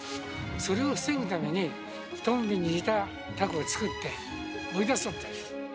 それを防ぐために、とんびに似たたこを作って追い出そうって。